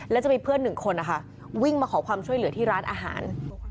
แล้วจะมีเพื่อนหนึ่งคนนะคะวิ่งมาขอความช่วยเหลือที่ร้านอาหาร